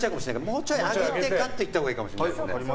もうちょい上げて、いったほうがいいかもしれないですね。